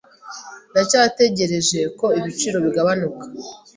Ndacyategereje ko ibiciro bigabanuka.